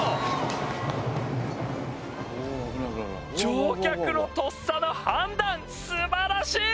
乗客のとっさの判断素晴らしい！